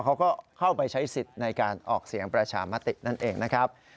เขาก็เข้าไปใช้สิทธิ์ในการออกเสียงประชามตินั่นเองนะครับ